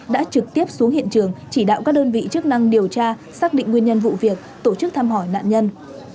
đã trực tiếp xuống hiện trường chỉ đạo các đơn vị chức năng điều tra xác định nguyên nhân vụ việc tổ chức thăm hỏi nạn nhân